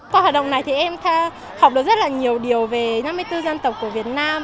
qua hoạt động này thì em học được rất là nhiều điều về năm mươi bốn dân tộc của việt nam